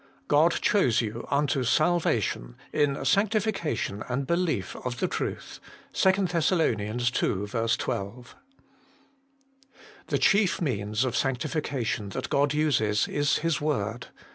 God chose you unto salvation in sanctif cation and belief of the Truth.' 2 THESS. ii. 12. THE chief means of sanctification that God uses is His word.